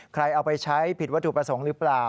ใครเอาไปใช้ผิดวัตถุประสงค์หรือเปล่า